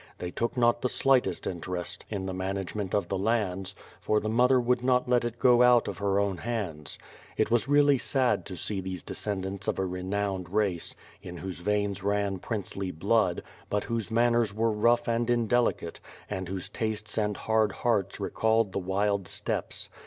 They took not the slightest interest in the management of the lands, for the mother would not let it go out of her own hands. It was really sad to see these descendants of a re nowned race, in whose veins ran princely blood, but whose manners were rough and indelicate, and whose tastes and hard hearts recalled the wild steppes.